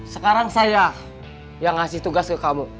sekarang saya yang ngasih tugas ke kamu